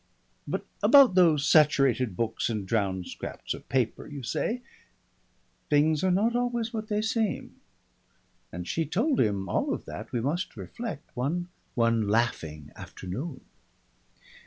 But about those saturated books and drowned scraps of paper, you say? Things are not always what they seem, and she told him all of that, we must reflect, one laughing afternoon.